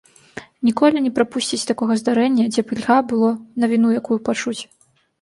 Ніколі не прапусціць такога здарэння, дзе б ільга было навіну якую пачуць.